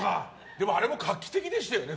でも、あれも画期的でしたよね。